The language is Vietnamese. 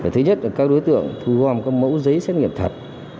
thứ nhất là các đối tượng thu gom các mẫu giấy xét nghiệm thật